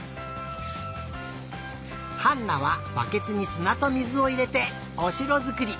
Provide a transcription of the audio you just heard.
ハンナはバケツにすなと水をいれておしろづくり。